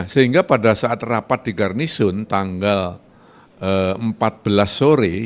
sehingga pada saat rapat di garnisun tanggal empat belas sore